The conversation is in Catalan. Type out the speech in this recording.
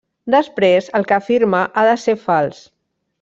Després, el que afirma ha de ser fals.